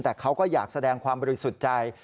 แต่เขาก็อยากแสดงความบริสุทธิ์ใจ